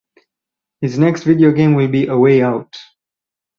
His next video game will be "A Way Out".